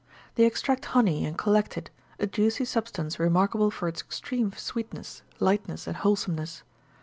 They extract honey and collect it, a juicy substance remarkable for its extreme sweetness, lightness, and wholesomeness.